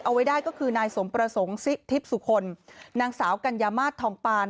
เอาไว้ได้ก็คือนายสมประสงค์ซิทิพย์สุคลนางสาวกัญญามาสทองปาน